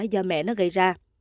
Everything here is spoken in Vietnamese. do mẹ nó gây ra